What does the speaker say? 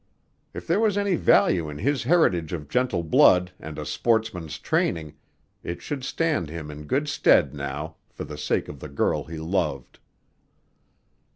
If there was any value in his heritage of gentle blood and a sportsman's training, it should stand him in good stead now, for the sake of the girl he loved.